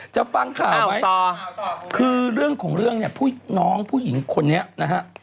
ฟังข่าวไหมคือเรื่องของเรื่องเนี่ยน้องผู้หญิงคนนี้นะฮะ